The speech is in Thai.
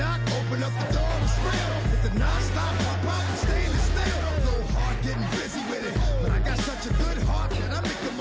อ่ะไปที่ทางครับ